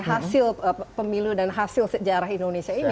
hasil pemilu dan hasil sejarah indonesia ini